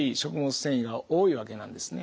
繊維が多いわけなんですね。